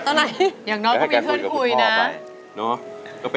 สวัสดีครับคุณหน่อย